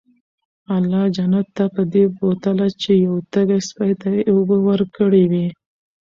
الله جنت ته پدې بوتله چې يو تږي سپي ته ئي اوبه ورکړي وي